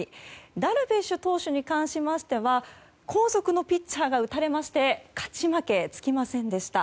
ダルビッシュ投手に関しましては後続のピッチャーが打たれまして勝ち負けつきませんでした。